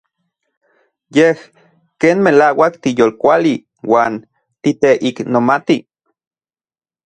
Yej ken melauak tiyolkuali uan titeiknomati.